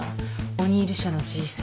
オニール社のＧ３。